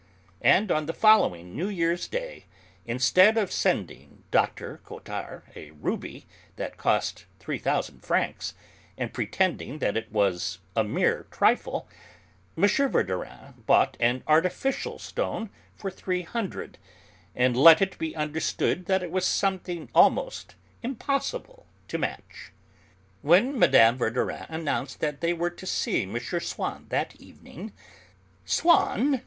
And on the following New Year's Day, instead of sending Dr. Cottard a ruby that cost three thousand francs, and pretending that it was a mere trifle, M. Verdurin bought an artificial stone for three hundred, and let it be understood that it was something almost impossible to match. When Mme. Verdurin had announced that they were to see M. Swann that evening; "Swann!"